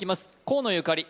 河野ゆかり